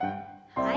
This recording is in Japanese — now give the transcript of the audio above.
はい。